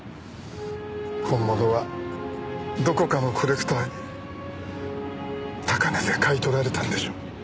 本物はどこかのコレクターに高値で買い取られたんでしょう。